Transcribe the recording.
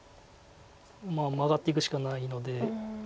まあマガっていくしかないので。